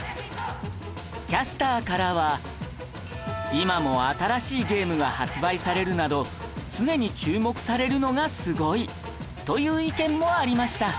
キャスターからは「今も新しいゲームが発売されるなど常に注目されるのがすごい」という意見もありました